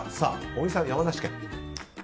小木さん、山梨県。